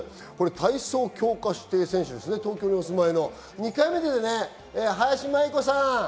体操強化指定選手、東京にお住まいの２回目だよね、林茉愛子さん。